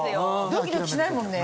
ドキドキしないもんね。